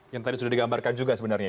yang tadi sudah digambarkan juga sebenarnya